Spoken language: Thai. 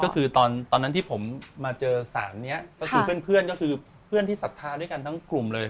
ก็คือตอนนั้นที่ผมมาเจอสารนี้ก็คือเพื่อนก็คือเพื่อนที่ศรัทธาด้วยกันทั้งกลุ่มเลย